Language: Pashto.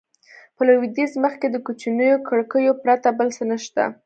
په لوېدیځ مخ کې د کوچنیو کړکیو پرته بل څه نه شته.